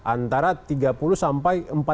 antara tiga puluh sampai empat puluh